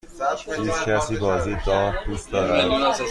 هیچکسی بازی دارت دوست دارد؟